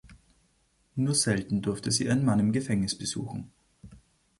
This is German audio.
Nur selten durfte sie ihren Mann im Gefängnis besuchen.